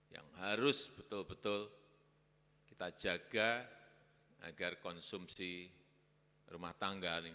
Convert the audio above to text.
yang harus betul betul kita jaga agar konsumsi rumah tangga